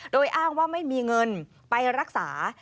โดยอ้างว่าไม่มีเงินไปรักษา